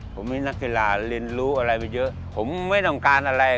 ผมมีนักกีฬาเรียนรู้อะไรไปเยอะผมไม่ต้องการอะไร